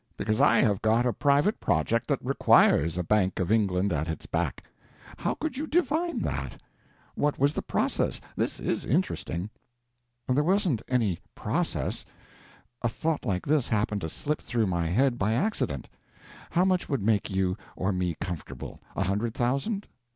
Because I have got a private project that requires a Bank of England at its back. How could you divine that? What was the process? This is interesting." "There wasn't any process. A thought like this happened to slip through my head by accident: How much would make you or me comfortable? A hundred thousand.